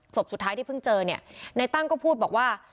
ศพสุดท้ายที่เพิ่งเจอเนี่ยในตั้งก็พูดบอกว่า